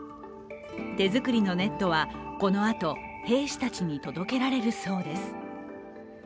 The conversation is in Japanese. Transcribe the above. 手作りのネットはこのあと、兵士たちに届けられるそうです。